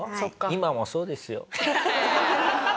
今もそうですよ。